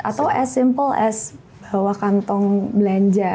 atau as simple as bawa kantong belanja